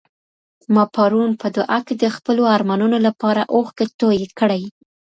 ما پرون په دعا کي د خپلو ارمانونو لپاره اوښکې تویې کړې.